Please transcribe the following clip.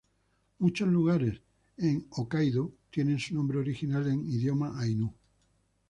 Muchos lugares en Hokkaido tienen su nombre original en idioma ainu.